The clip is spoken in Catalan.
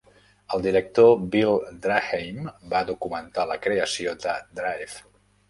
El director Bill Draheim va documentar la creació de "Drive".